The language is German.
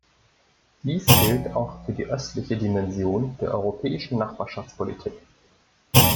Dies gilt auch für die östliche Dimension der Europäischen Nachbarschaftspolitik.